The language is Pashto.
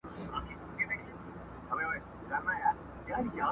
چي ناڅاپه سوه پیشو دوکان ته پورته.!